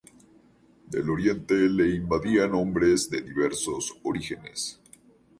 Del oriente le invadían hombres de diversos orígenes.